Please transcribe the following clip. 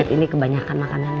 ini kebanyakan makanan